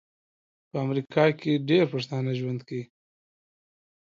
په امریکا کې ډیر پښتانه ژوند کوي